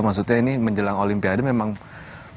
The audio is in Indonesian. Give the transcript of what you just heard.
maksudnya ini menjelang olimpiade memang bisa